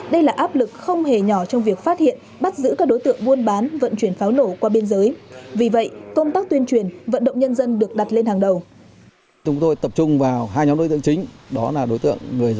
đây là áp lực không hề nhỏ trong việc phát hiện bắt giữ các đối tượng buôn bán vận chuyển pháo nổ qua biên giới vì vậy công tác tuyên truyền vận động nhân dân được đặt lên hàng đầu